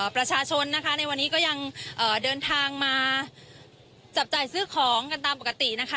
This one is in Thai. ประชาชนนะคะในวันนี้ก็ยังเดินทางมาจับจ่ายซื้อของกันตามปกตินะคะ